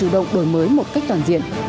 đổi mới một cách toàn diện